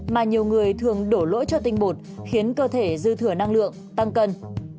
mà nhiều người thường đổ lỗi cho tinh bột khiến cơ thể dư thừa năng lượng tăng cân